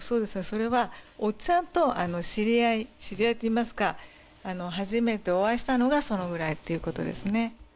それはおっちゃんと知り合い知り合いといいますか初めてお会いしたのがそのぐらいっていうことですね